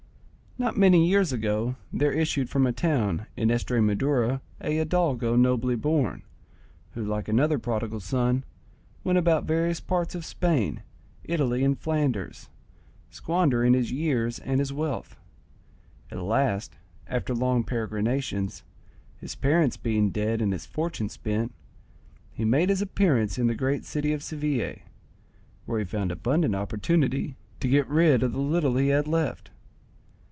Not many years ago there issued from a town in Estramadura a hidalgo nobly born, who, like another prodigal son, went about various parts of Spain, Italy, and Flanders, squandering his years and his wealth. At last, after long peregrinations, his parents being dead and his fortune spent, he made his appearance in the great city of Seville, where he found abundant opportunity to get rid of the little he had left.